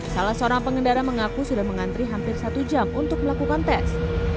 salah seorang pengendara mengaku sudah mengantri hampir satu jam untuk melakukan tes